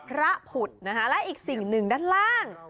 พระผุดนะคะและอีกสิ่งหนึ่งด้านล่าง